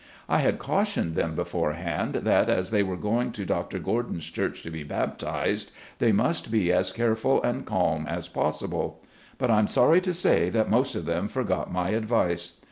I had cautioned them beforehand, that as they v/ere going to Dr. Gordon's church to be baptized, they must be as careful and calm as possible. But I am sorry to say that most of them forgot my advice.